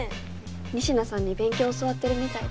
仁科さんに勉強教わってるみたいで。